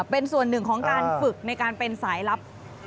เป็นส่วนหนึ่งของการฝึกในการเป็นสายลับ